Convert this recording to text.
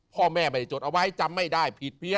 พ่อแม่ไม่ได้จดเอาไว้จำไม่ได้ผิดเพี้ย